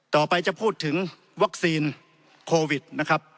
ต่อไปจะพูดถึงวัคซีนโควิดนะครับ